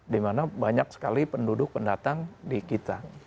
dimana banyak sekali penduduk pendatang di kita